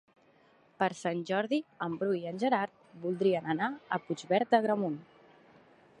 Per Sant Jordi en Bru i en Gerard voldrien anar a Puigverd d'Agramunt.